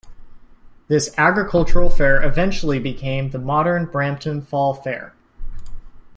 This agricultural fair eventually became the modern Brampton Fall Fair.